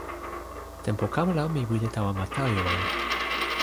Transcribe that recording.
tenpo kama la mi wile tawa ma Tajuwan.